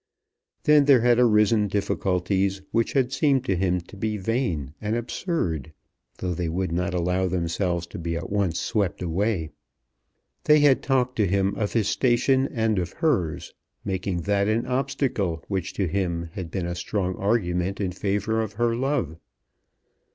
Then there had arisen difficulties, which had seemed to him to be vain and absurd, though they would not allow themselves to be at once swept away. They had talked to him of his station and of hers, making that an obstacle which to him had been a strong argument in favour of her love.